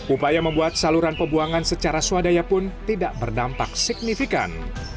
upaya membuat saluran pembuangan secara swadaya pun tidak berdampak signifikan